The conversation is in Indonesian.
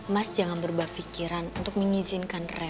mas jangan berubah pikiran untuk mengizinkan rekan